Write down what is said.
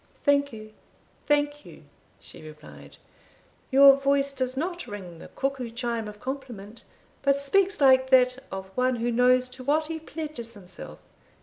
"Thank you thank you," she replied; "your voice does not ring the cuckoo chime of compliment, but speaks like that of one who knows to what he pledges himself.